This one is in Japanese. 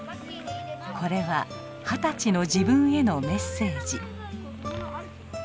これは二十歳の自分へのメッセージ。